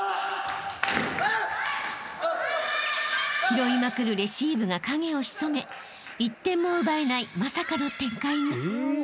［拾いまくるレシーブが影を潜め１点も奪えないまさかの展開に］